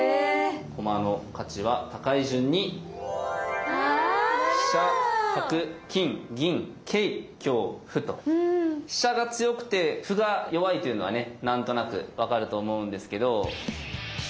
駒の価値は高い順に飛車が強くて歩が弱いというのはね何となく分かると思うんですけど。